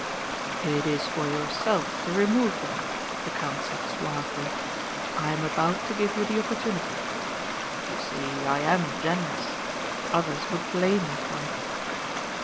"It is for yourself to remove them," the count said suavely. "I am about to give you the opportunity. You see I am generous. Others would blame me for it."